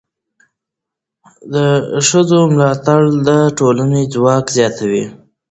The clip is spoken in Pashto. د ښځو ملاتړ د ټولنې ځواک زیاتوي.